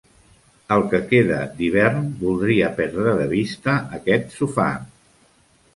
El que queda d'hivern voldria perdre de vista aquest sofà!